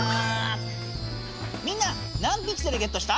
みんな何ピクセルゲットした？